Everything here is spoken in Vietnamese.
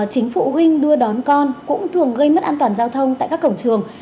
chính phụ huynh đưa đón con cũng thường gây mất an toàn giao thông tại các cổng trường